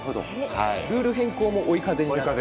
ルール変更も追い風に。